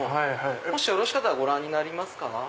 もしよろしかったらご覧になりますか？